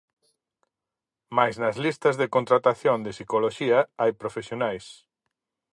Mais nas listas de contratación de psicoloxía hai profesionais.